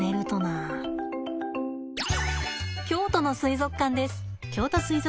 京都の水族館です。